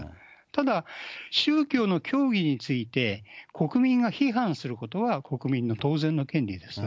ただ、宗教の教義について、国民が批判することは国民の当然の権利です。